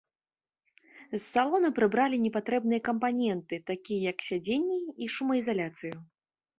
З салона прыбралі непатрэбныя кампаненты, такія як сядзенні і шумаізаляцыю.